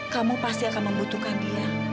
kamu pasti akan membutuhkan dia